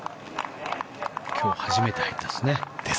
今日初めて入ってますね。